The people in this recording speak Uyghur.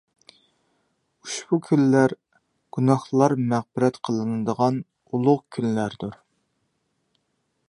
ئۇشبۇ كۈنلەر گۇناھلار مەغپىرەت قىلىنىدىغان ئۇلۇغ كۈنلەردۇر.